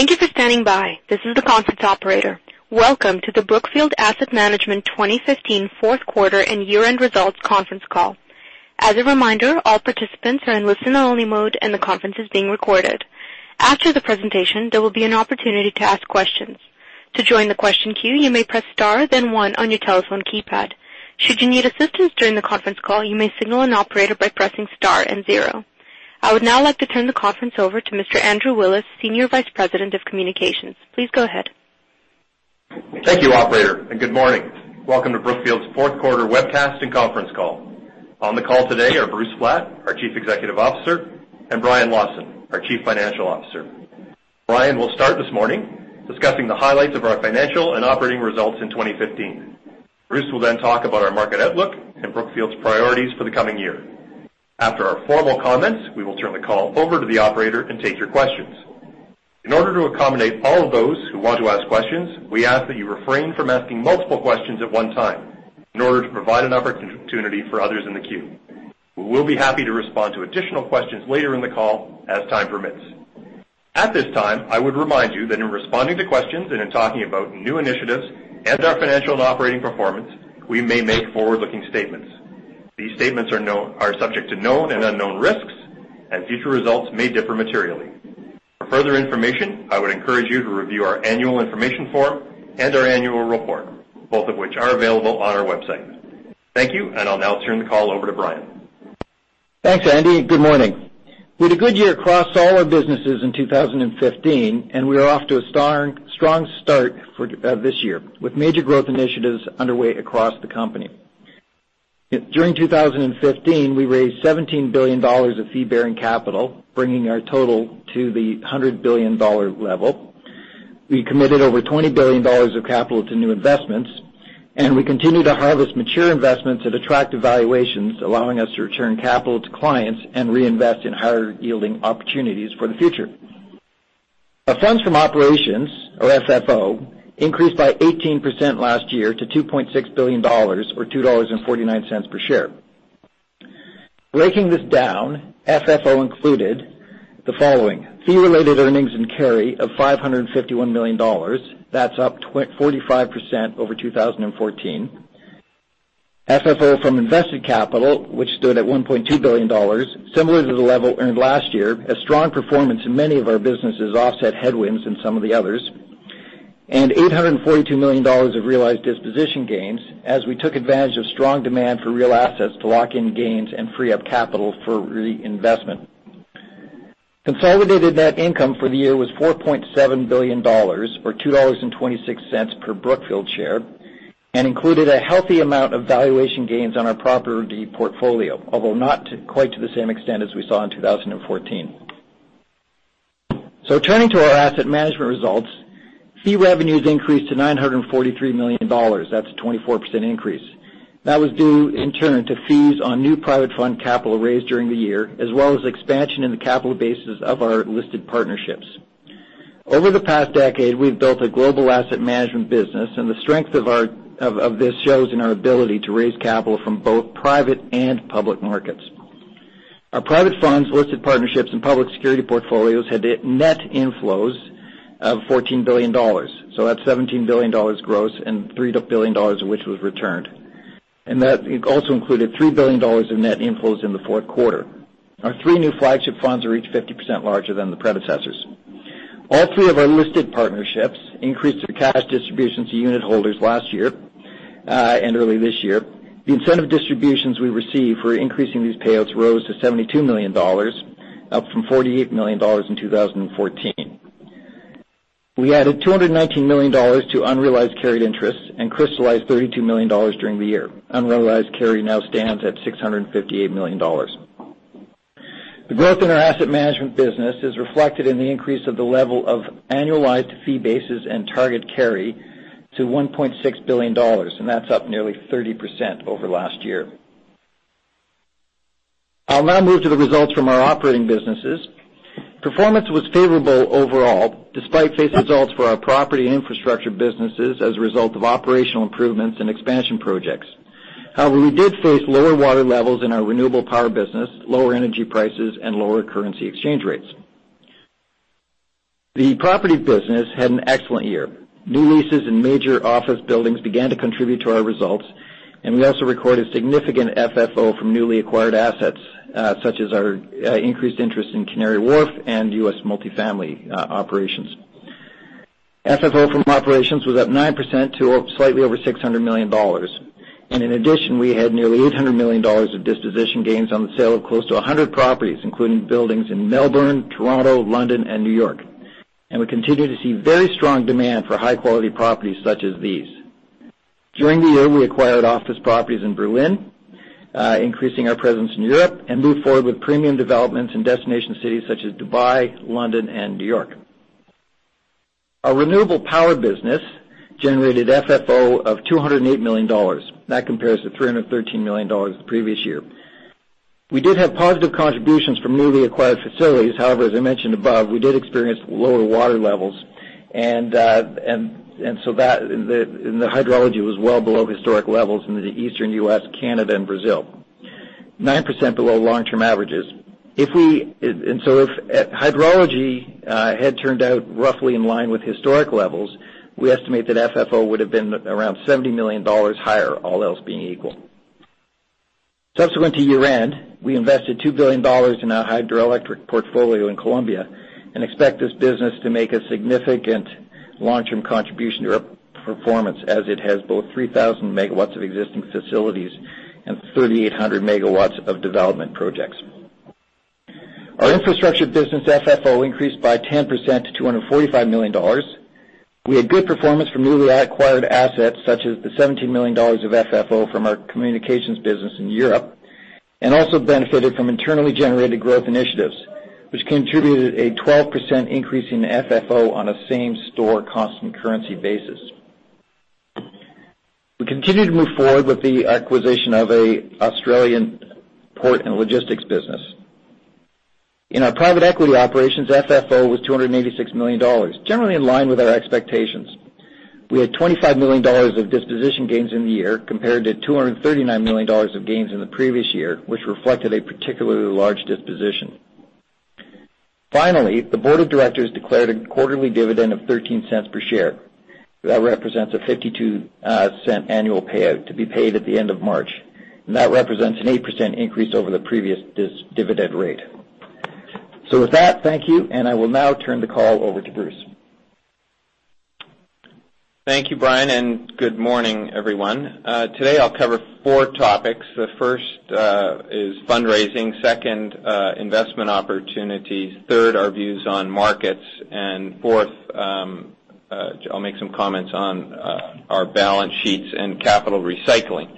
Thank you for standing by. This is the conference operator. Welcome to the Brookfield Asset Management 2015 fourth quarter and year-end results conference call. As a reminder, all participants are in listen-only mode and the conference is being recorded. After the presentation, there will be an opportunity to ask questions. To join the question queue, you may press star then one on your telephone keypad. Should you need assistance during the conference call, you may signal an operator by pressing star and zero. I would now like to turn the conference over to Mr. Andrew Willis, Senior Vice President of Communications. Please go ahead. Thank you, operator, good morning. Welcome to Brookfield's fourth quarter webcast and conference call. On the call today are Bruce Flatt, our Chief Executive Officer, and Brian Lawson, our Chief Financial Officer. Brian will start this morning discussing the highlights of our financial and operating results in 2015. Bruce will talk about our market outlook and Brookfield's priorities for the coming year. After our formal comments, we will turn the call over to the operator and take your questions. In order to accommodate all of those who want to ask questions, we ask that you refrain from asking multiple questions at one time in order to provide an opportunity for others in the queue. We will be happy to respond to additional questions later in the call as time permits. At this time, I would remind you that in responding to questions and in talking about new initiatives and our financial and operating performance, we may make forward-looking statements. These statements are subject to known and unknown risks, future results may differ materially. For further information, I would encourage you to review our annual information form and our annual report, both of which are available on our website. Thank you, I'll now turn the call over to Brian. Thanks, Andy. Good morning. We had a good year across all our businesses in 2015, we are off to a strong start this year with major growth initiatives underway across the company. During 2015, we raised $17 billion of fee-bearing capital, bringing our total to the $100 billion level. We committed over $20 billion of capital to new investments, we continue to harvest mature investments at attractive valuations, allowing us to return capital to clients and reinvest in higher-yielding opportunities for the future. Funds from operations, or FFO, increased by 18% last year to $2.6 billion or $2.49 per share. Breaking this down, FFO included the following: fee-related earnings and carry of $551 million. That's up 45% over 2014. FFO from invested capital, which stood at $1.2 billion, similar to the level earned last year. A strong performance in many of our businesses offset headwinds in some of the others. $842 million of realized disposition gains as we took advantage of strong demand for real assets to lock in gains and free up capital for reinvestment. Consolidated net income for the year was $4.7 billion or $2.26 per Brookfield share and included a healthy amount of valuation gains on our property portfolio, although not quite to the same extent as we saw in 2014. Turning to our asset management results, fee revenues increased to $943 million. That's a 24% increase. That was due in turn to fees on new private fund capital raised during the year, as well as expansion in the capital bases of our listed partnerships. Over the past decade, we've built a global asset management business, and the strength of this shows in our ability to raise capital from both private and public markets. Our private funds, listed partnerships, and public security portfolios had net inflows of $14 billion. That's $17 billion gross and $3 billion of which was returned. That also included $3 billion in net inflows in the fourth quarter. Our three new flagship funds are each 50% larger than the predecessors. All three of our listed partnerships increased their cash distributions to unitholders last year and early this year. The incentive distributions we received for increasing these payouts rose to $72 million, up from $48 million in 2014. We added $219 million to unrealized carried interest and crystallized $32 million during the year. Unrealized carry now stands at $658 million. The growth in our asset management business is reflected in the increase of the level of annualized fee bases and target carry to $1.6 billion, and that's up nearly 30% over last year. I'll now move to the results from our operating businesses. Performance was favorable overall despite safe results for our property and infrastructure businesses as a result of operational improvements and expansion projects. However, we did face lower water levels in our renewable power business, lower energy prices, and lower currency exchange rates. The property business had an excellent year. New leases in major office buildings began to contribute to our results, and we also recorded significant FFO from newly acquired assets such as our increased interest in Canary Wharf and U.S. multifamily operations. FFO from operations was up 9% to slightly over $600 million. In addition, we had nearly $800 million of disposition gains on the sale of close to 100 properties, including buildings in Melbourne, Toronto, London, and New York. We continue to see very strong demand for high-quality properties such as these. During the year, we acquired office properties in Berlin, increasing our presence in Europe, and moved forward with premium developments in destination cities such as Dubai, London, and New York. Our renewable power business generated FFO of $208 million. That compares to $313 million the previous year. We did have positive contributions from newly acquired facilities. However, as I mentioned above, we did experience lower water levels, and the hydrology was well below historic levels in the Eastern U.S., Canada, and Brazil. 9% below long-term averages. If hydrology had turned out roughly in line with historic levels, we estimate that FFO would have been around $70 million higher, all else being equal. Subsequent to year-end, we invested $2 billion in our hydroelectric portfolio in Colombia, and expect this business to make a significant long-term contribution to our performance as it has both 3,000 megawatts of existing facilities and 3,800 megawatts of development projects. Our infrastructure business FFO increased by 10% to $245 million. We had good performance from newly acquired assets such as the $17 million of FFO from our communications business in Europe, and also benefited from internally generated growth initiatives, which contributed a 12% increase in FFO on a same-store constant currency basis. We continue to move forward with the acquisition of an Australian port and logistics business. In our private equity operations, FFO was $286 million, generally in line with our expectations. We had $25 million of disposition gains in the year compared to $239 million of gains in the previous year, which reflected a particularly large disposition. Finally, the board of directors declared a quarterly dividend of $0.13 per share. That represents a $0.52 annual payout to be paid at the end of March. That represents an 8% increase over the previous dividend rate. With that, thank you, and I will now turn the call over to Bruce. Thank you, Brian, and good morning, everyone. Today, I'll cover four topics. The first is fundraising, second investment opportunities, third our views on markets, and fourth I'll make some comments on our balance sheets and capital recycling.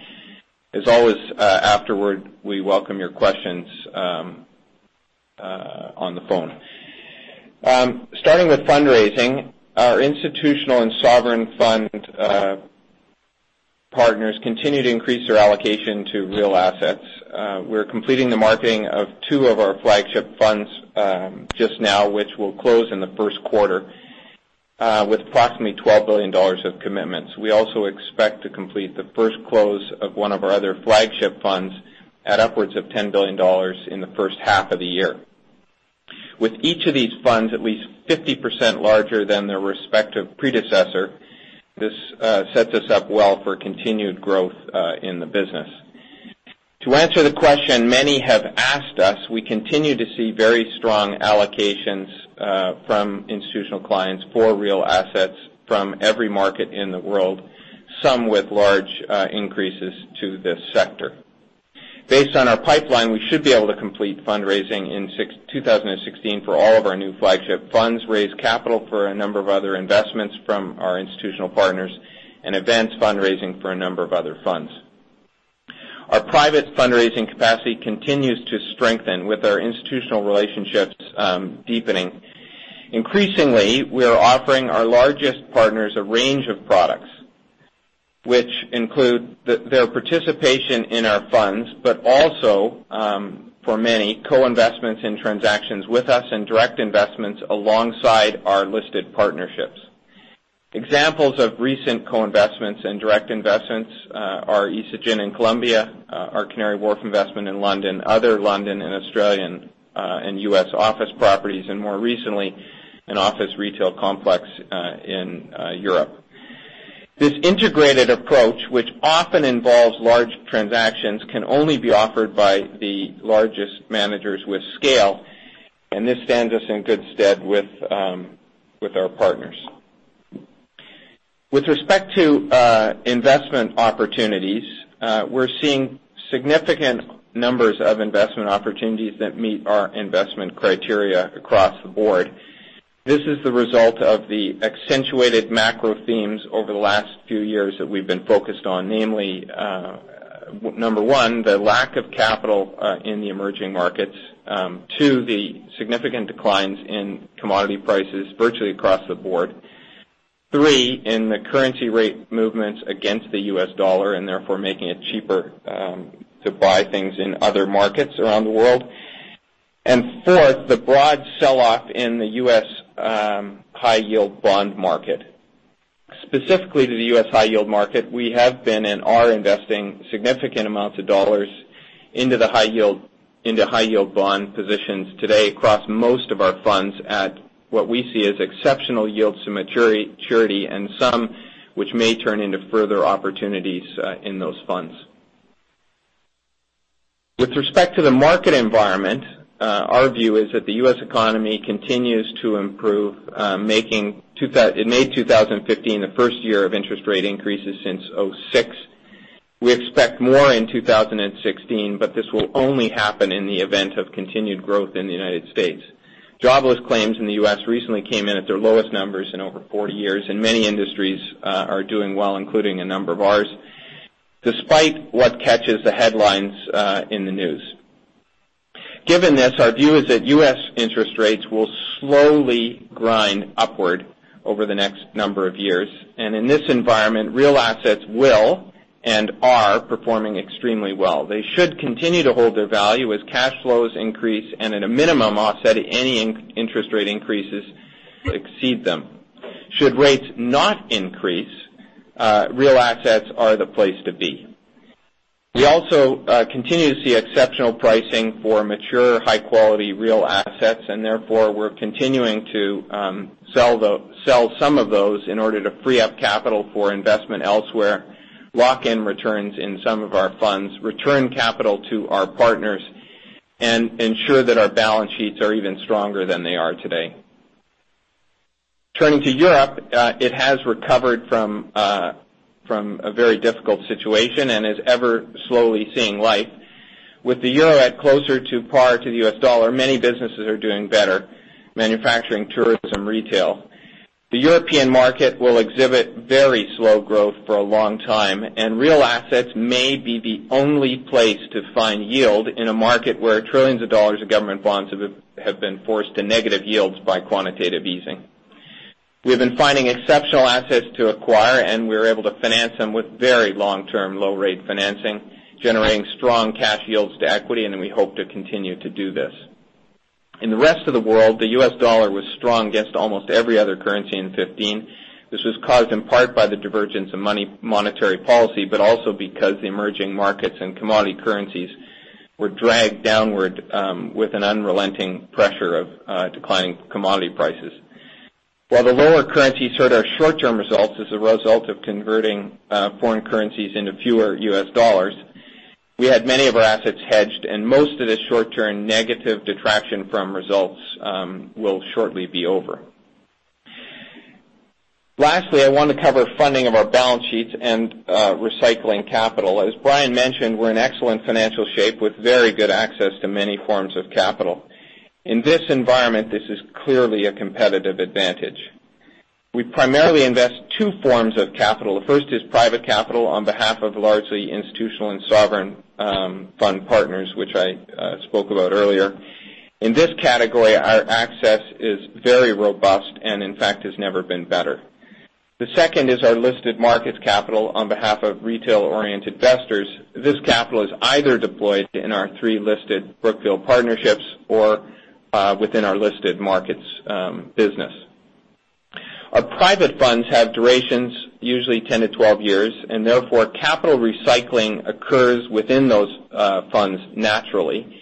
As always, afterward, we welcome your questions on the phone. Starting with fundraising, our institutional and sovereign fund partners continue to increase their allocation to real assets. We're completing the marketing of two of our flagship funds just now, which will close in the first quarter with approximately $12 billion of commitments. We also expect to complete the first close of one of our other flagship funds at upwards of $10 billion in the first half of the year. With each of these funds at least 50% larger than their respective predecessor, this sets us up well for continued growth in the business. To answer the question many have asked us, we continue to see very strong allocations from institutional clients for real assets from every market in the world, some with large increases to this sector. Based on our pipeline, we should be able to complete fundraising in 2016 for all of our new flagship funds, raise capital for a number of other investments from our institutional partners, and advance fundraising for a number of other funds. Our private fundraising capacity continues to strengthen with our institutional relationships deepening. Increasingly, we are offering our largest partners a range of products, which include their participation in our funds, but also for many co-investments in transactions with us and direct investments alongside our listed partnerships. Examples of recent co-investments and direct investments are ISAGEN in Colombia, our Canary Wharf investment in London, other London and Australian and U.S. office properties, and more recently, an office retail complex in Europe. This integrated approach, which often involves large transactions, can only be offered by the largest managers with scale, and this stands us in good stead with our partners. With respect to investment opportunities, we're seeing significant numbers of investment opportunities that meet our investment criteria across the board. This is the result of the accentuated macro themes over the last few years that we've been focused on, namely number 1, the lack of capital in the emerging markets. 2, the significant declines in commodity prices virtually across the board. 3, in the currency rate movements against the U.S. dollar, and therefore making it cheaper to buy things in other markets around the world. Fourth, the broad sell-off in the U.S. high-yield bond market. Specifically to the U.S. high-yield market, we have been and are investing significant amounts of U.S. dollars into high-yield bond positions today across most of our funds at what we see as exceptional yields to maturity, and some which may turn into further opportunities in those funds. With respect to the market environment, our view is that the U.S. economy continues to improve. It made 2015 the first year of interest rate increases since 2006. We expect more in 2016, but this will only happen in the event of continued growth in the United States. Jobless claims in the U.S. recently came in at their lowest numbers in over 40 years, and many industries are doing well, including a number of ours, despite what catches the headlines in the news. Given this, our view is that U.S. interest rates will slowly grind upward over the next number of years. In this environment, real assets will and are performing extremely well. They should continue to hold their value as cash flows increase and at a minimum, offset any interest rate increases exceed them. Should rates not increase, real assets are the place to be. We also continue to see exceptional pricing for mature, high-quality real assets, and therefore, we're continuing to sell some of those in order to free up capital for investment elsewhere, lock in returns in some of our funds, return capital to our partners, and ensure that our balance sheets are even stronger than they are today. Turning to Europe, it has recovered from a very difficult situation and is ever slowly seeing light. With the euro at closer to par to the U.S. dollar, many businesses are doing better, manufacturing, tourism, retail. The European market will exhibit very slow growth for a long time, and real assets may be the only place to find yield in a market where trillions of U.S. dollars of government bonds have been forced to negative yields by quantitative easing. We have been finding exceptional assets to acquire, and we're able to finance them with very long-term, low-rate financing, generating strong cash yields to equity, we hope to continue to do this. In the rest of the world, the U.S. dollar was strong against almost every other currency in 2015. This was caused in part by the divergence of monetary policy, but also because the emerging markets and commodity currencies were dragged downward with an unrelenting pressure of declining commodity prices. While the lower currency hurt our short-term results as a result of converting foreign currencies into fewer U.S. dollars, we had many of our assets hedged, and most of this short-term negative detraction from results will shortly be over. Lastly, I want to cover funding of our balance sheets and recycling capital. As Brian mentioned, we're in excellent financial shape with very good access to many forms of capital. In this environment, this is clearly a competitive advantage. We primarily invest two forms of capital. The first is private capital on behalf of largely institutional and sovereign fund partners, which I spoke about earlier. In this category, our access is very robust and, in fact, has never been better. The second is our listed markets capital on behalf of retail-oriented investors. This capital is either deployed in our three listed Brookfield partnerships or within our listed markets business. Our private funds have durations usually 10 to 12 years, and therefore, capital recycling occurs within those funds naturally.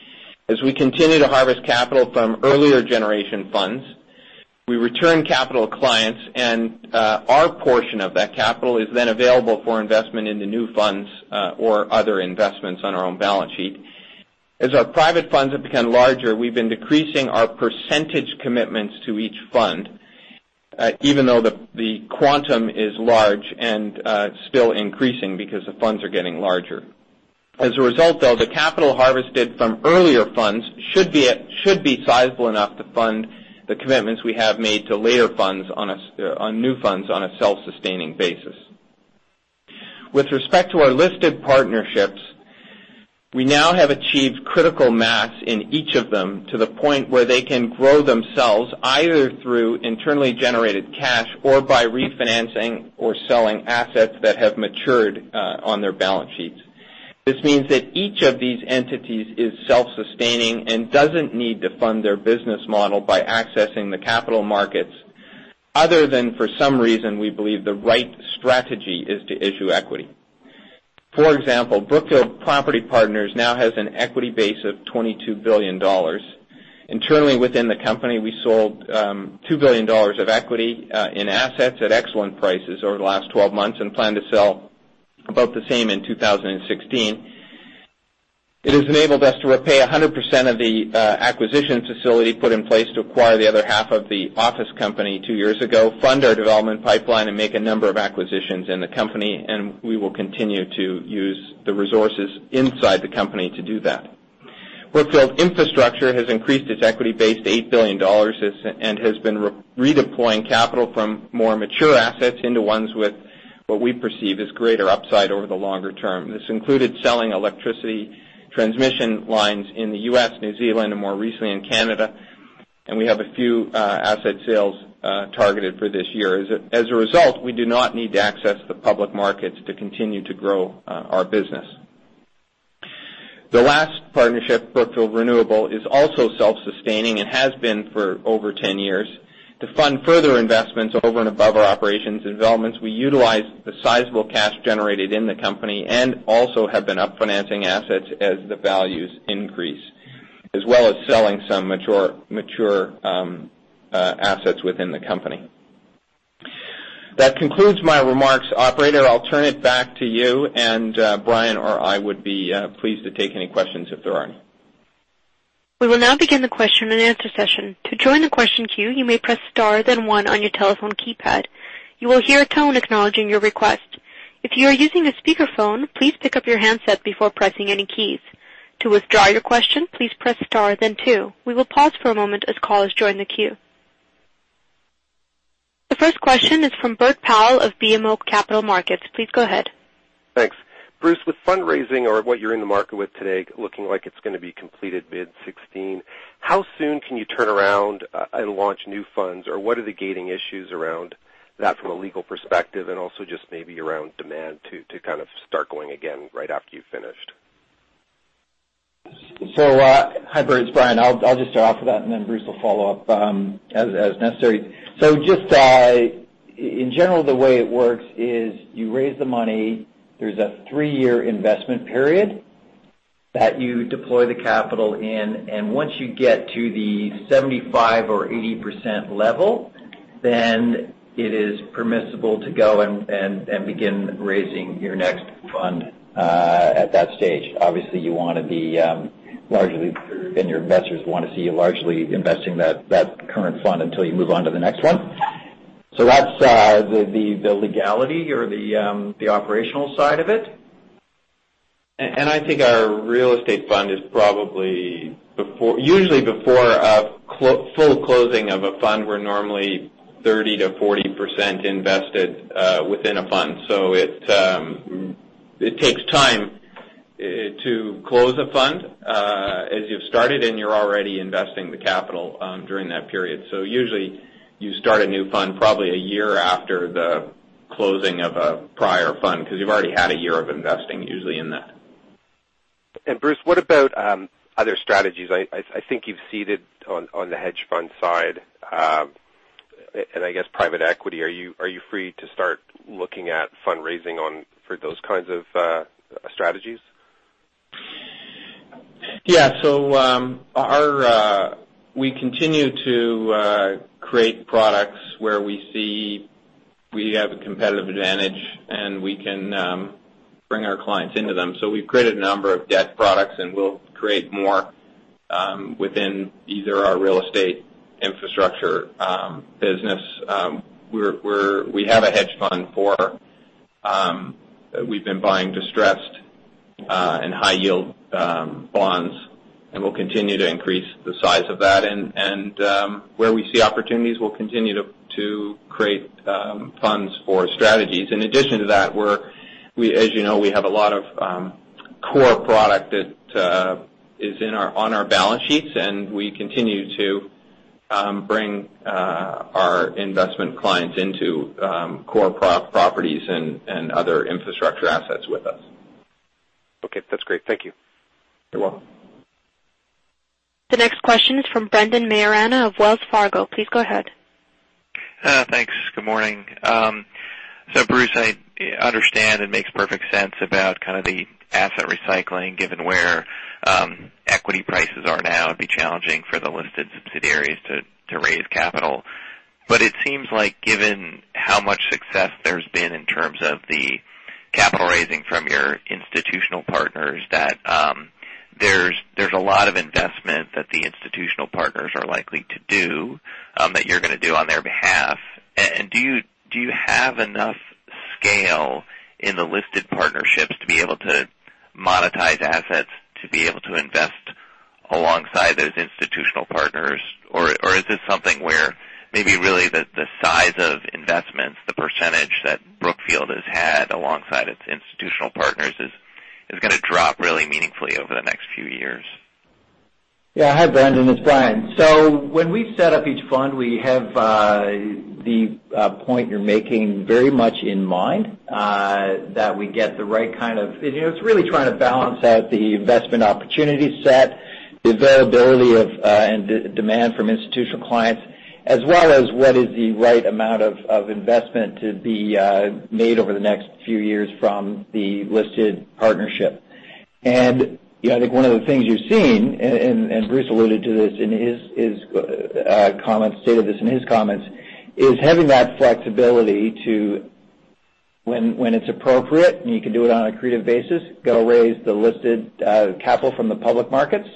As we continue to harvest capital from earlier generation funds, we return capital to clients, and our portion of that capital is then available for investment into new funds or other investments on our own balance sheet. As our private funds have become larger, we've been decreasing our percentage commitments to each fund, even though the quantum is large and still increasing because the funds are getting larger. As a result, though, the capital harvested from earlier funds should be sizable enough to fund the commitments we have made to layer funds on new funds on a self-sustaining basis. With respect to our listed partnerships, we now have achieved critical mass in each of them to the point where they can grow themselves either through internally generated cash or by refinancing or selling assets that have matured on their balance sheets. This means that each of these entities is self-sustaining and doesn't need to fund their business model by accessing the capital markets other than for some reason we believe the right strategy is to issue equity. For example, Brookfield Property Partners now has an equity base of $22 billion. Internally within the company, we sold $2 billion of equity in assets at excellent prices over the last 12 months and plan to sell about the same in 2016. It has enabled us to repay 100% of the acquisition facility put in place to acquire the other half of the office company two years ago, fund our development pipeline, and make a number of acquisitions in the company, and we will continue to use the resources inside the company to do that. Brookfield Infrastructure has increased its equity base to $8 billion and has been redeploying capital from more mature assets into ones with what we perceive as greater upside over the longer term. This included selling electricity transmission lines in the U.S., New Zealand, and more recently in Canada. We have a few asset sales targeted for this year. As a result, we do not need to access the public markets to continue to grow our business. The last partnership, Brookfield Renewable, is also self-sustaining and has been for over 10 years. To fund further investments over and above our operations and developments, we utilized the sizable cash generated in the company and also have been up financing assets as the values increase, as well as selling some mature assets within the company. That concludes my remarks. Operator, I will turn it back to you, and Brian or I would be pleased to take any questions if there are any. We will now begin the question and answer session. To join the question queue, you may press star then one on your telephone keypad. You will hear a tone acknowledging your request. If you are using a speakerphone, please pick up your handset before pressing any keys. To withdraw your question, please press star then two. We will pause for a moment as callers join the queue. The first question is from Bert Powell of BMO Capital Markets. Please go ahead. Thanks. Bruce, with fundraising or what you are in the market with today looking like it is going to be completed mid 2016, what are the gating issues around that from a legal perspective and also just maybe around demand to kind of start going again right after you have finished? Hi, it is Brian. I will just start off with that, and then Bruce will follow up as necessary. Just in general, the way it works is you raise the money, there is a three-year investment period that you deploy the capital in, and once you get to the 75% or 80% level, then it is permissible to go and begin raising your next fund at that stage. Obviously, you want to be largely, and your investors want to see you largely investing that current fund until you move on to the next one. That is the legality or the operational side of it. I think our real estate fund is probably usually before a full closing of a fund, we're normally 30%-40% invested within a fund. It takes time to close a fund as you've started, and you're already investing the capital during that period. Usually you start a new fund probably a year after the closing of a prior fund because you've already had a year of investing usually in that. Bruce, what about other strategies? I think you've seeded on the hedge fund side, and I guess private equity. Are you free to start looking at fundraising for those kinds of strategies? Yeah. We continue to create products where we see we have a competitive advantage, and we can bring our clients into them. We've created a number of debt products, and we'll create more within either our real estate infrastructure business. We have a hedge fund for We've been buying distressed and high-yield bonds, and we'll continue to increase the size of that. Where we see opportunities, we'll continue to create funds for strategies. In addition to that, as you know, we have a lot of core product that is on our balance sheets, and we continue to bring our investment clients into core properties and other infrastructure assets with us. Okay, that's great. Thank you. You're welcome. The next question is from Brendan Maiorana of Wells Fargo. Please go ahead. Thanks. Good morning. Bruce, I understand it makes perfect sense about the asset recycling, given where equity prices are now. It'd be challenging for the listed subsidiaries to raise capital. It seems like given how much success there's been in terms of the capital raising from your institutional partners, that there's a lot of investment that the institutional partners are likely to do that you're going to do on their behalf. Do you have enough scale in the listed partnerships to be able to monetize assets to be able to invest alongside those institutional partners? Or is this something where maybe really the size of investments, the percentage that Brookfield has had alongside its institutional partners is going to drop really meaningfully over the next few years? Yeah. Hi, Brendan, it's Brian. When we set up each fund, we have the point you're making very much in mind, it's really trying to balance out the investment opportunity set, the availability and demand from institutional clients, as well as what is the right amount of investment to be made over the next few years from the listed partnership. I think one of the things you've seen, and Bruce alluded to this in his comments, stated this in his comments, is having that flexibility to, when it's appropriate, and you can do it on an accretive basis, go raise the listed capital from the public markets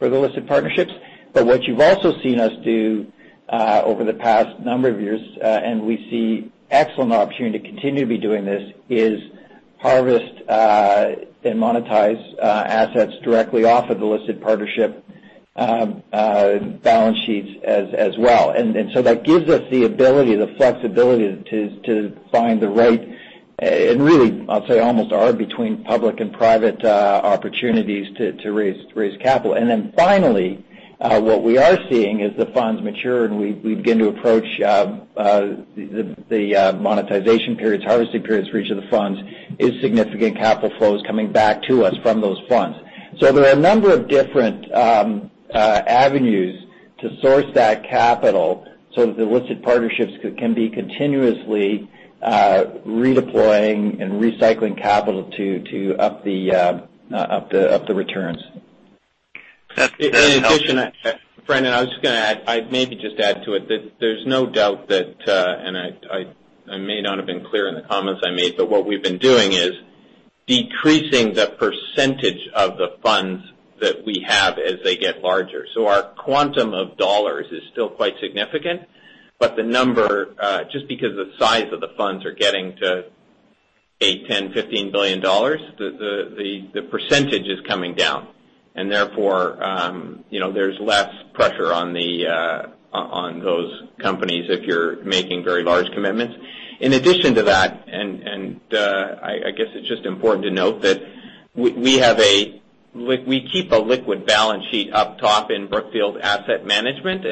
for the listed partnerships. What you've also seen us do over the past number of years, and we see excellent opportunity to continue to be doing this, is harvest and monetize assets directly off of the listed partnership balance sheets as well. That gives us the ability, the flexibility to find the right, and really, I'll say almost arb between public and private opportunities to raise capital. Finally, what we are seeing as the funds mature and we begin to approach the monetization periods, harvesting periods for each of the funds, is significant capital flows coming back to us from those funds. There are a number of different avenues to source that capital so that the listed partnerships can be continuously redeploying and recycling capital to up the returns. That helps. Brendan, I was just going to maybe just add to it that there's no doubt that, and I may not have been clear in the comments I made, what we've been doing is decreasing the percentage of the funds that we have as they get larger. Our quantum of dollars is still quite significant. The number, just because the size of the funds are getting to $8 billion, $10 billion, $15 billion, the percentage is coming down. Therefore, there's less pressure on those companies if you're making very large commitments. In addition to that, I guess it's just important to note that we keep a liquid balance sheet up top in Brookfield Asset Management,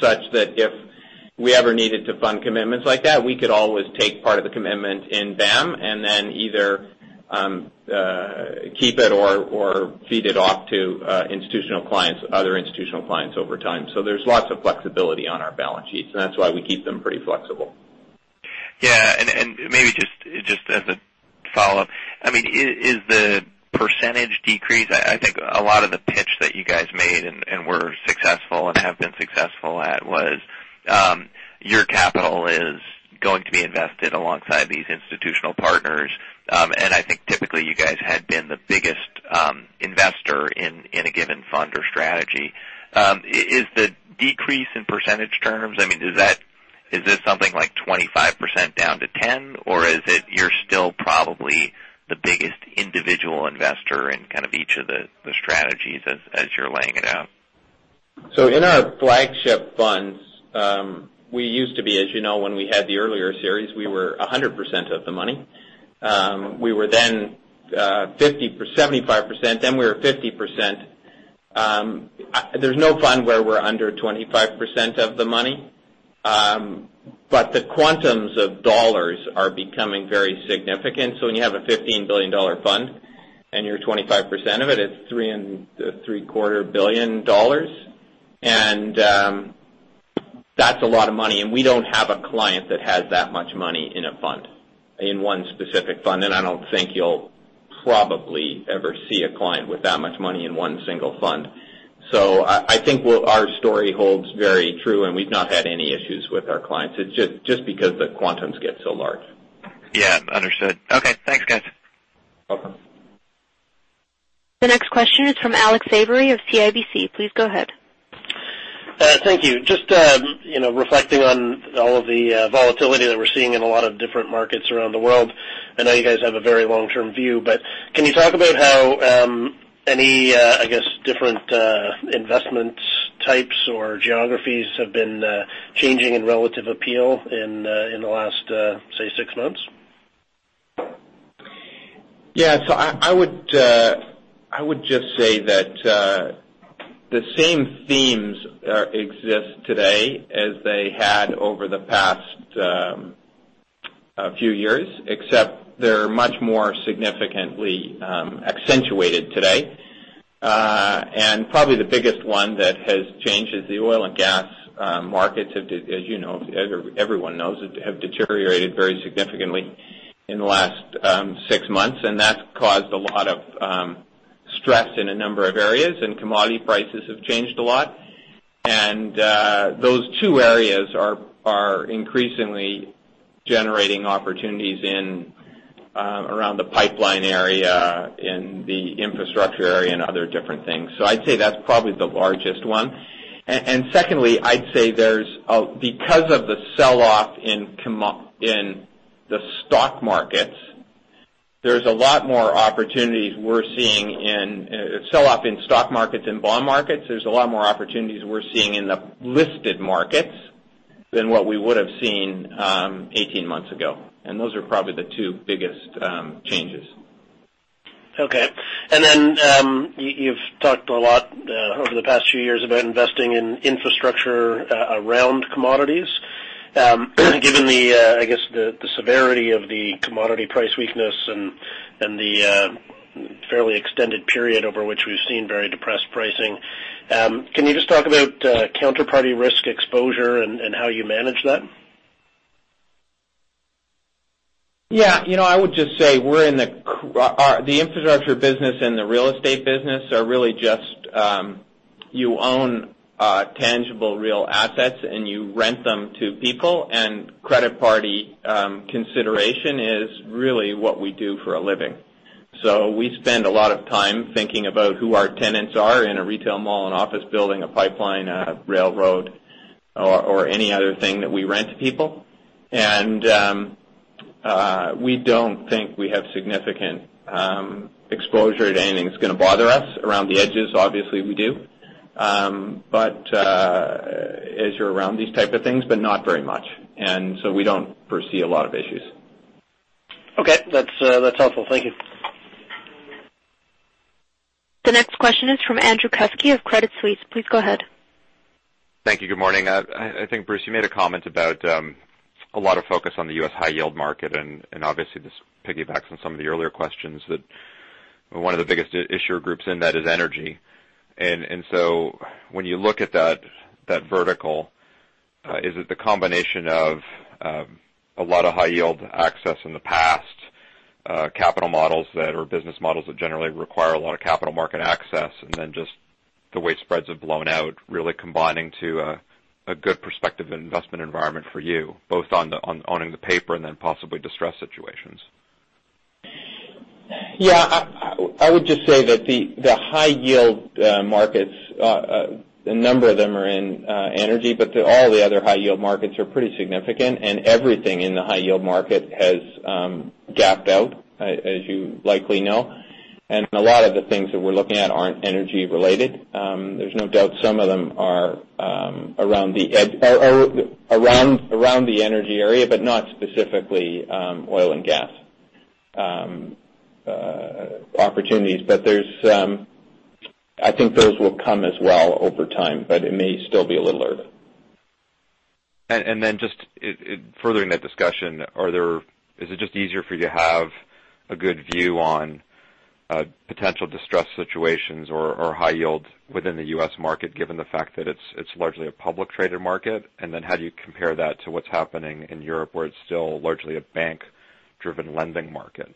such that if If we ever needed to fund commitments like that, we could always take part of the commitment in them and then either keep it or feed it off to other institutional clients over time. There's lots of flexibility on our balance sheets, and that's why we keep them pretty flexible. Maybe just as a follow-up, is the percentage decrease-- I think a lot of the pitch that you guys made and were successful and have been successful at was your capital is going to be invested alongside these institutional partners. I think typically you guys had been the biggest investor in a given fund or strategy. Is the decrease in percentage terms, is this something like 25% down to 10%? Is it you're still probably the biggest individual investor in each of the strategies as you're laying it out? In our flagship funds, we used to be, as you know, when we had the earlier series, we were 100% of the money. We were then 75%, then we were 50%. There's no fund where we're under 25% of the money. The quantums of dollars are becoming very significant. When you have a $15 billion fund and you're 25% of it's $3.75 billion. That's a lot of money, and we don't have a client that has that much money in one specific fund, and I don't think you'll probably ever see a client with that much money in one single fund. I think our story holds very true, and we've not had any issues with our clients. It's just because the quantums get so large. Yeah. Understood. Okay. Thanks, guys. Welcome. The next question is from Alex Avery of CIBC. Please go ahead. Thank you. Just reflecting on all of the volatility that we're seeing in a lot of different markets around the world. I know you guys have a very long-term view, but can you talk about how any different investment types or geographies have been changing in relative appeal in the last, say, six months? Yeah. I would just say that the same themes exist today as they had over the past few years, except they're much more significantly accentuated today. Probably the biggest one that has changed is the oil and gas markets, as everyone knows, have deteriorated very significantly in the last six months, and that's caused a lot of stress in a number of areas, and commodity prices have changed a lot. Those two areas are increasingly generating opportunities around the pipeline area, in the infrastructure area, and other different things. I'd say that's probably the largest one. Secondly, I'd say because of the sell-off in the stock markets, there's a lot more opportunities we're seeing in sell-off in stock markets and bond markets. There's a lot more opportunities we're seeing in the listed markets than what we would've seen 18 months ago. Those are probably the two biggest changes. Okay. Then you've talked a lot over the past few years about investing in infrastructure around commodities. Given the severity of the commodity price weakness and the fairly extended period over which we've seen very depressed pricing, can you just talk about counterparty risk exposure and how you manage that? Yeah. I would just say the infrastructure business and the real estate business are really just you own tangible, real assets and you rent them to people, and counterparty consideration is really what we do for a living. We spend a lot of time thinking about who our tenants are in a retail mall, an office building, a pipeline, a railroad, or any other thing that we rent to people. We don't think we have significant exposure to anything that's going to bother us. Around the edges, obviously, we do. As you're around these type of things, but not very much. We don't foresee a lot of issues. Okay. That's helpful. Thank you. The next question is from Andrew Kuske of Credit Suisse. Please go ahead. Thank you. Good morning. I think, Bruce, you made a comment about a lot of focus on the U.S. high-yield market, obviously this piggybacks on some of the earlier questions that one of the biggest issuer groups in that is energy. When you look at that vertical, is it the combination of a lot of high-yield access in the past, capital models or business models that generally require a lot of capital market access, and then just the way spreads have blown out, really combining to a good prospective investment environment for you, both on owning the paper and then possibly distressed situations? Yeah. I would just say that the high-yield markets, a number of them are in energy, but all the other high-yield markets are pretty significant, and everything in the high-yield market has gapped out, as you likely know. A lot of the things that we're looking at aren't energy related. There's no doubt some of them are around the energy area, but not specifically oil and gas opportunities. I think those will come as well over time, but it may still be a little early. Just furthering that discussion, is it just easier for you to have a good view on potential distressed situations or high yield within the U.S. market, given the fact that it's largely a public traded market? How do you compare that to what's happening in Europe, where it's still largely a bank-driven lending market?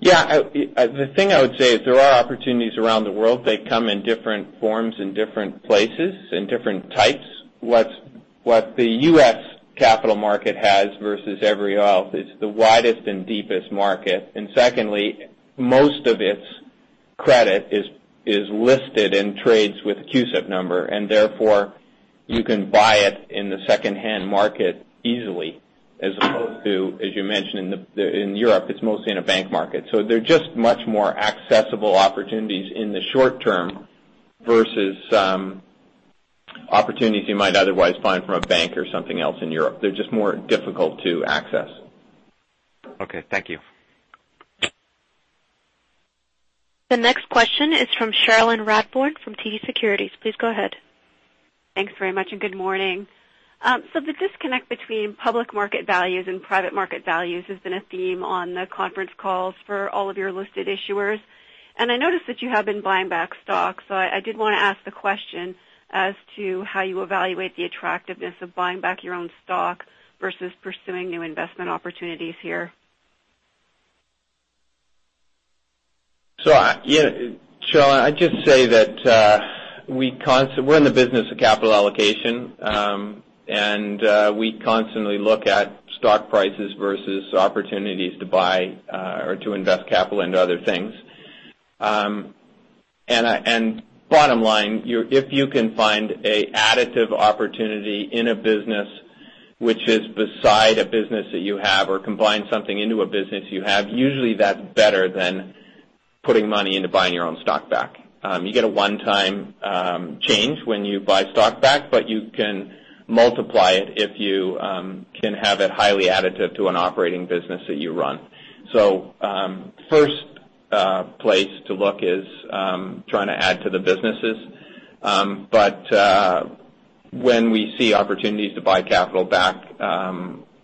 Yeah. The thing I would say is there are opportunities around the world. They come in different forms, in different places, in different types. What the U.S. capital market has versus every other is the widest and deepest market. Secondly, most of its credit is listed in trades with a CUSIP number. Therefore, you can buy it in the secondhand market easily, as opposed to, as you mentioned, in Europe, it's mostly in a bank market. They're just much more accessible opportunities in the short term versus opportunities you might otherwise find from a bank or something else in Europe. They're just more difficult to access. Okay. Thank you. The next question is from Cherilyn Radbourne from TD Securities. Please go ahead. Thanks very much, and good morning. The disconnect between public market values and private market values has been a theme on the conference calls for all of your listed issuers. I noticed that you have been buying back stock. I did want to ask the question as to how you evaluate the attractiveness of buying back your own stock versus pursuing new investment opportunities here. Cherilyn, I'd just say that we're in the business of capital allocation, and we constantly look at stock prices versus opportunities to buy or to invest capital into other things. Bottom line, if you can find an additive opportunity in a business which is beside a business that you have or combine something into a business you have, usually that's better than putting money into buying your own stock back. You get a one-time change when you buy stock back, but you can multiply it if you can have it highly additive to an operating business that you run. First place to look is trying to add to the businesses. When we see opportunities to buy capital back,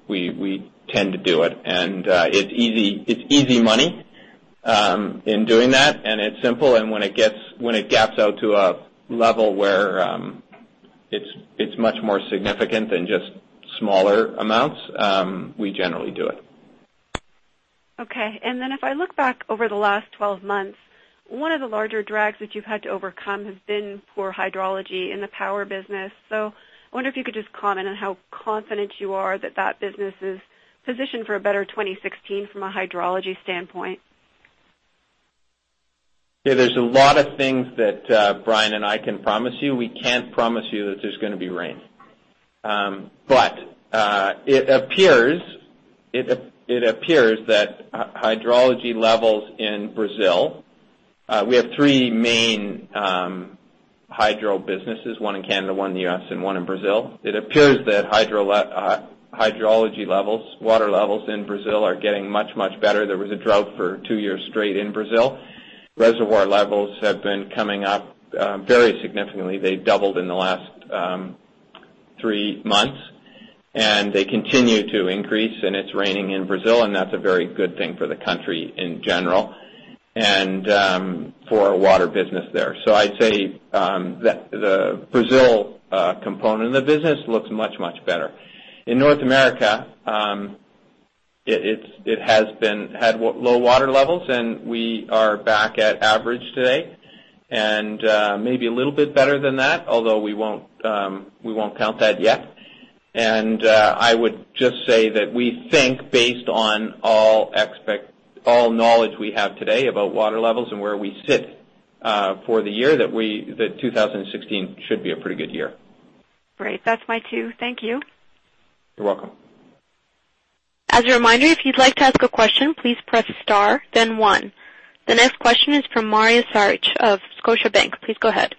we tend to do it. It's easy money in doing that, and it's simple. When it gaps out to a level where it's much more significant than just smaller amounts, we generally do it. Okay. If I look back over the last 12 months, one of the larger drags that you've had to overcome has been poor hydrology in the power business. I wonder if you could just comment on how confident you are that that business is positioned for a better 2016 from a hydrology standpoint. Yeah, there's a lot of things that Brian Lawson and I can promise you. We can't promise you that there's going to be rain. It appears that hydrology levels in Brazil-- we have three main hydro businesses, one in Canada, one in the U.S., and one in Brazil. It appears that hydrology levels, water levels in Brazil are getting much, much better. There was a drought for two years straight in Brazil. Reservoir levels have been coming up very significantly. They doubled in the last three months, and they continue to increase. It's raining in Brazil, and that's a very good thing for the country in general and for our water business there. I'd say that the Brazil component of the business looks much, much better. In North America, it had low water levels, and we are back at average today, and maybe a little bit better than that, although we won't count that yet. I would just say that we think based on all knowledge we have today about water levels and where we sit for the year, that 2016 should be a pretty good year. Great. That's my cue. Thank you. You're welcome. As a reminder, if you'd like to ask a question, please press star then one. The next question is from Mario Saric of Scotiabank. Please go ahead.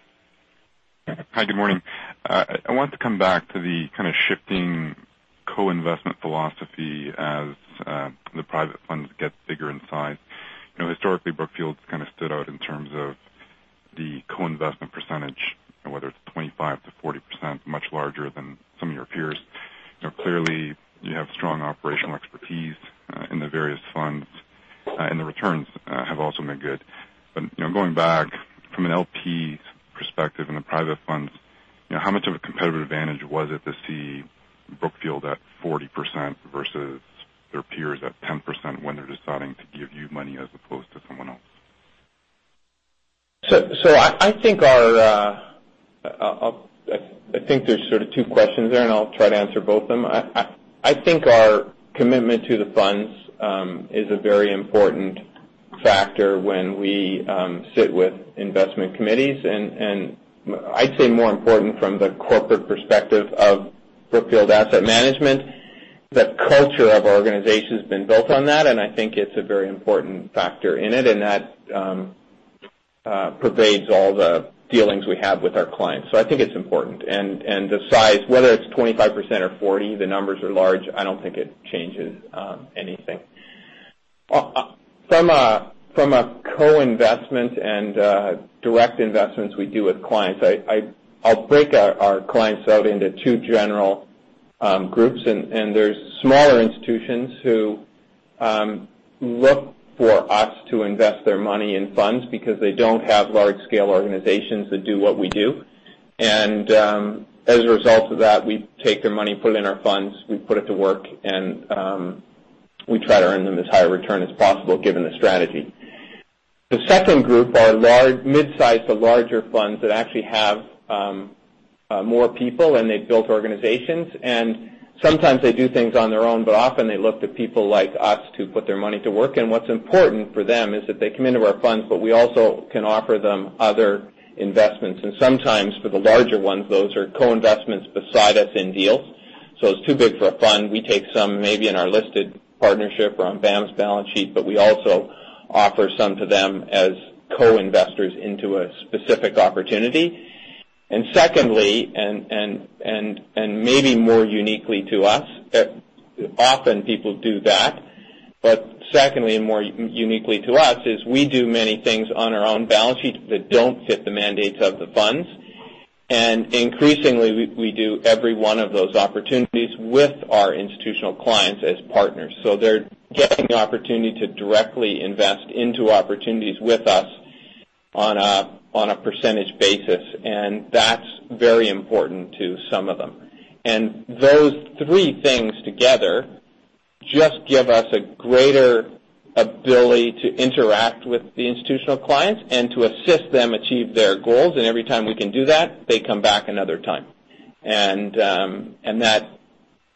Hi, good morning. I want to come back to the kind of shifting co-investment philosophy as the private funds get bigger in size. Historically, Brookfield's kind of stood out in terms of the co-investment percentage, whether it's 25%-40%, much larger than some of your peers. Clearly, you have strong operational expertise in the various funds, and the returns have also been good. Going back from an LP perspective and the private funds, how much of a competitive advantage was it to see Brookfield at 40% versus their peers at 10% when they're deciding to give you money as opposed to someone else? I think there's sort of two questions there, and I'll try to answer both of them. I think our commitment to the funds is a very important factor when we sit with investment committees. I'd say more important from the corporate perspective of Brookfield Asset Management. The culture of our organization has been built on that, and I think it's a very important factor in it, and that pervades all the dealings we have with our clients. I think it's important. The size, whether it's 25% or 40%, the numbers are large. I don't think it changes anything. From a co-investment and direct investments we do with clients, I'll break our clients out into two general groups. There's smaller institutions who look for us to invest their money in funds because they don't have large-scale organizations that do what we do. As a result of that, we take their money, put it in our funds, we put it to work, and we try to earn them as high a return as possible given the strategy. The second group are mid-size to larger funds that actually have more people, and they've built organizations. Sometimes they do things on their own, but often they look to people like us to put their money to work. What's important for them is that they come into our funds, but we also can offer them other investments. Sometimes for the larger ones, those are co-investments beside us in deals. It's too big for a fund. We take some maybe in our listed partnership or on BAM's balance sheet, but we also offer some to them as co-investors into a specific opportunity. Maybe more uniquely to us, often people do that. Secondly, and more uniquely to us, is we do many things on our own balance sheet that don't fit the mandates of the funds. Increasingly, we do every one of those opportunities with our institutional clients as partners. They're getting the opportunity to directly invest into opportunities with us on a percentage basis, and that's very important to some of them. Those three things together just give us a greater ability to interact with the institutional clients and to assist them achieve their goals. Every time we can do that, they come back another time.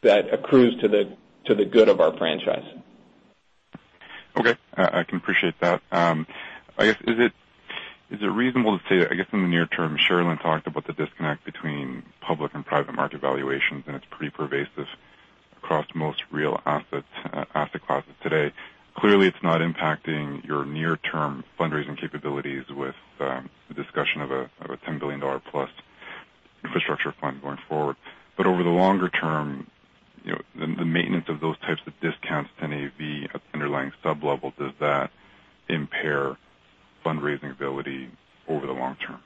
That accrues to the good of our franchise. Okay. I can appreciate that. Is it reasonable to say, in the near term, Cherilyn talked about the disconnect between public and private market valuations, and it's pretty pervasive across most real asset classes today. Clearly, it's not impacting your near-term fundraising capabilities with the discussion of a $10 billion plus infrastructure fund going forward. Over the longer term, the maintenance of those types of discounts to NAV at the underlying sub level, does that impair fundraising ability over the long term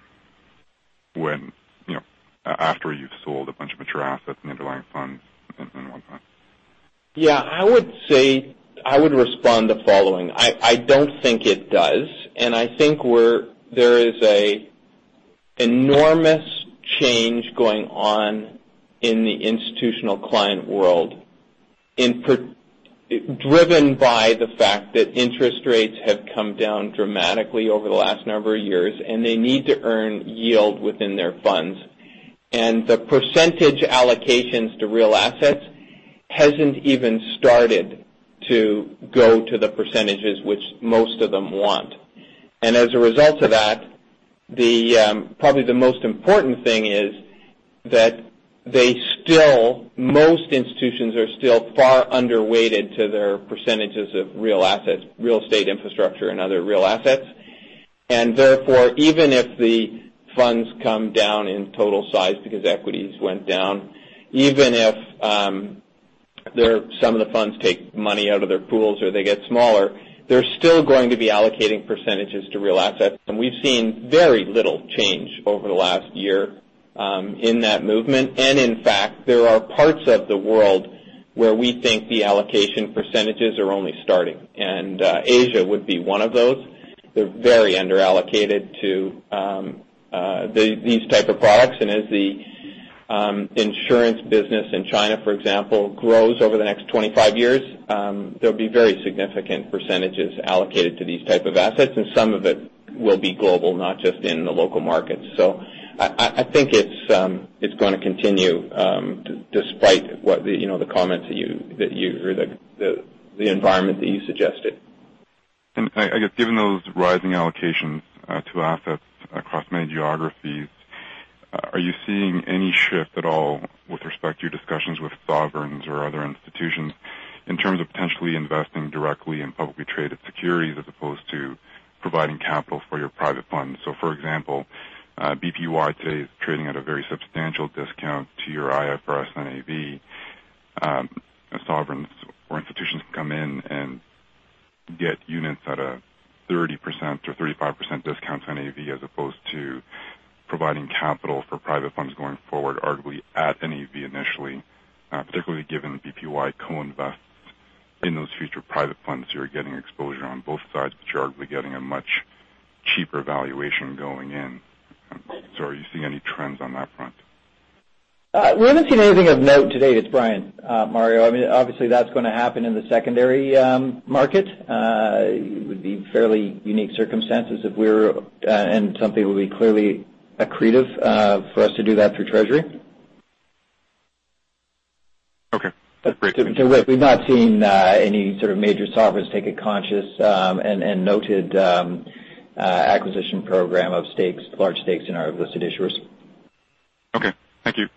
after you've sold a bunch of mature assets in the underlying funds and whatnot? I would respond the following. I don't think it does, and I think there is an enormous change going on in the institutional client world driven by the fact that interest rates have come down dramatically over the last number of years, and they need to earn yield within their funds. The percentage allocations to real assets hasn't even started to go to the percentages which most of them want. As a result of that, probably the most important thing is that most institutions are still far underweighted to their percentages of real estate infrastructure and other real assets. Therefore, even if the funds come down in total size because equities went down, even if some of the funds take money out of their pools or they get smaller, they're still going to be allocating percentages to real assets. We've seen very little change over the last year in that movement. In fact, there are parts of the world where we think the allocation percentages are only starting. Asia would be one of those. They're very under-allocated to these type of products. As the insurance business in China, for example, grows over the next 25 years, there'll be very significant percentages allocated to these type of assets, and some of it will be global, not just in the local markets. I think it's going to continue, despite the environment that you suggested. I guess given those rising allocations to assets across many geographies, are you seeing any shift at all with respect to your discussions with sovereigns or other institutions in terms of potentially investing directly in publicly traded securities as opposed to providing capital for your private funds? For example, BPY today is trading at a very substantial discount to your IFRS NAV. Sovereigns or institutions can come in and get units at a 30% or 35% discount to NAV as opposed to providing capital for private funds going forward, arguably at NAV initially, particularly given BPY co-invests in those future private funds. You're getting exposure on both sides, but you're arguably getting a much cheaper valuation going in. Are you seeing any trends on that front? We haven't seen anything of note to date. It's Brian, Mario. Obviously, that's going to happen in the secondary market. It would be fairly unique circumstances, and something that would be clearly accretive for us to do that through Treasury. Okay. That's great. Saric, we've not seen any sort of major sovereigns take a conscious and noted acquisition program of large stakes in our listed issuers. Okay. Thank you.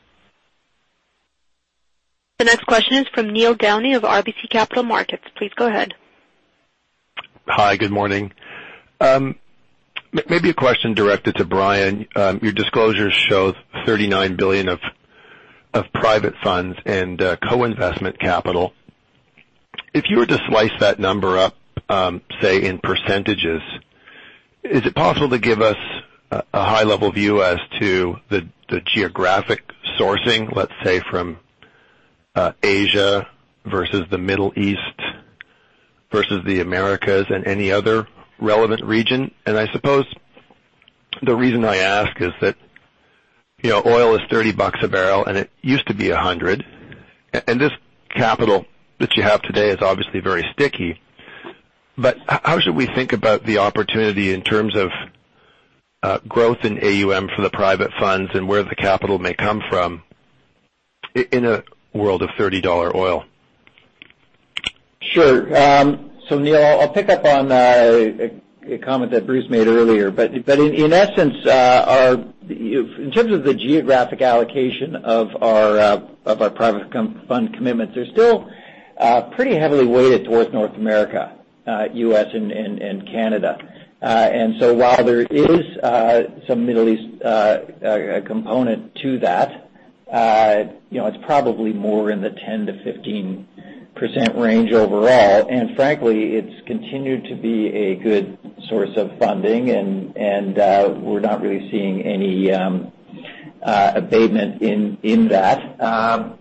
The next question is from Neil Downey of RBC Capital Markets. Please go ahead. Hi, good morning. Maybe a question directed to Brian. Your disclosure shows $39 billion of private funds and co-investment capital. If you were to slice that number up, say, in percentages, is it possible to give us a high-level view as to the geographic sourcing, let's say, from Asia versus the Middle East versus the Americas and any other relevant region? I suppose the reason I ask is that oil is $30 a barrel, and it used to be $100. This capital that you have today is obviously very sticky. How should we think about the opportunity in terms of growth in AUM for the private funds and where the capital may come from in a world of $30 oil? Sure. Neil, I'll pick up on a comment that Bruce made earlier. In essence, in terms of the geographic allocation of our private fund commitments, they're still pretty heavily weighted towards North America, U.S., and Canada. While there is some Middle East component to that, it's probably more in the 10%-15% range overall. Frankly, it's continued to be a good source of funding, and we're not really seeing any abatement in that.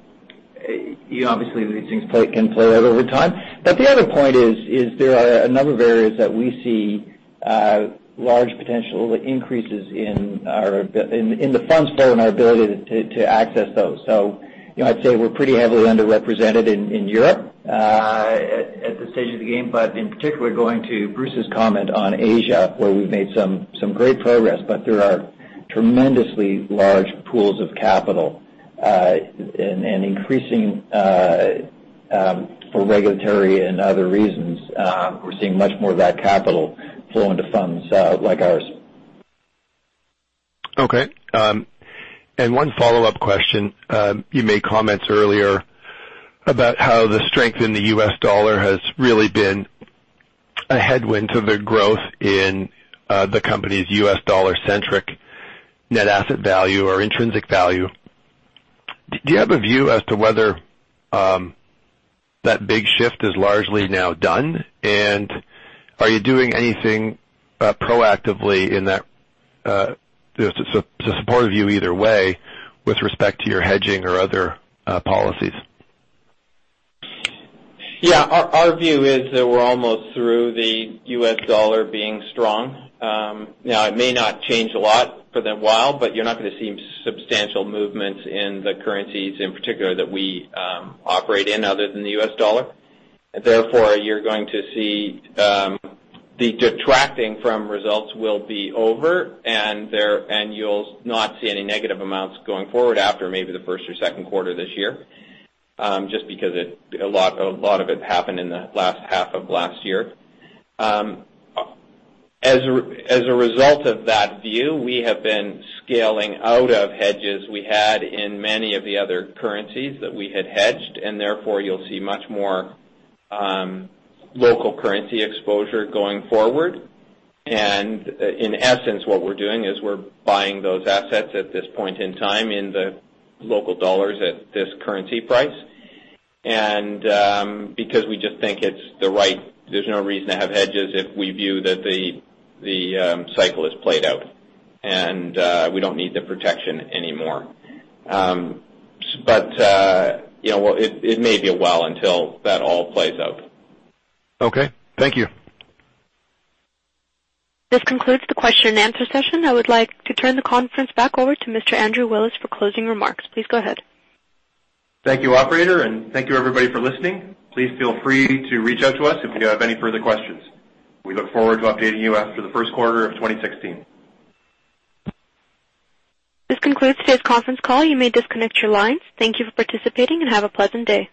Obviously, these things can play out over time. The other point is there are a number of areas that we see large potential increases in the funds flow and our ability to access those. I'd say we're pretty heavily underrepresented in Europe at this stage of the game. In particular, going to Bruce's comment on Asia, where we've made some great progress. There are tremendously large pools of capital, and increasing for regulatory and other reasons. We're seeing much more of that capital flow into funds like ours. Okay. One follow-up question. You made comments earlier about how the strength in the U.S. dollar has really been a headwind to the growth in the company's U.S. dollar-centric NAV or intrinsic value. Do you have a view as to whether that big shift is largely now done? Are you doing anything proactively in that to support a view either way with respect to your hedging or other policies? Yeah. Our view is that we're almost through the U.S. dollar being strong. Now, it may not change a lot for a little while, but you're not going to see substantial movements in the currencies, in particular, that we operate in other than the U.S. dollar. Therefore, you're going to see the detracting from results will be over, and you'll not see any negative amounts going forward after maybe the first or second quarter this year, just because a lot of it happened in the last half of last year. As a result of that view, we have been scaling out of hedges we had in many of the other currencies that we had hedged, and therefore, you'll see much more local currency exposure going forward. In essence, what we're doing is we're buying those assets at this point in time in the local dollars at this currency price. Because we just think there's no reason to have hedges if we view that the cycle is played out, we don't need the protection anymore. It may be a while until that all plays out. Okay. Thank you. This concludes the question and answer session. I would like to turn the conference back over to Mr. Andrew Willis for closing remarks. Please go ahead. Thank you, operator, thank you everybody for listening. Please feel free to reach out to us if you have any further questions. We look forward to updating you after the first quarter of 2016. This concludes today's conference call. You may disconnect your lines. Thank you for participating, and have a pleasant day.